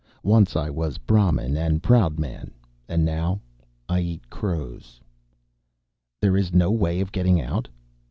Once I was Brahmin and proud man, and now I eat crows." "There is no way of getting out?"